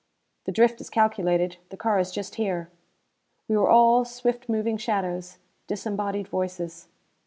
"The drift is calculated; the car is just here." We were all swift moving shadows; disembodied voices.